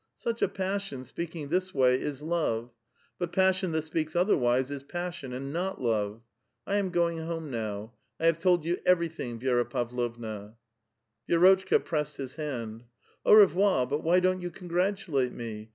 Such a passion, speaking this way, is love. But passion that speaks otherwise is passion and not love. I am going home now ; 1 have told you everything, Vi6ra Pavlovna." Vi^rotchka pressed his hand. " An revoir^^ but why don't you congratulate me